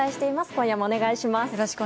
今夜もお願いします。